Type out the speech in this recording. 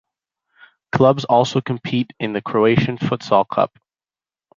Clubs also compete in the Croatian Futsal Cup.